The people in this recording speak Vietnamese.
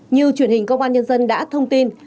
như truyền hình công an nhân dân đã thông tin